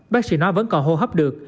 bác sĩ nói vẫn còn hô hấp được